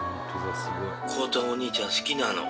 コウタお兄ちゃん好きなの？